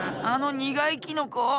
あのにがいキノコ？